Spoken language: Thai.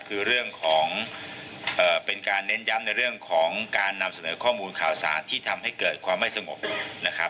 คือเรื่องของเป็นการเน้นย้ำในเรื่องของการนำเสนอข้อมูลข่าวสารที่ทำให้เกิดความไม่สงบนะครับ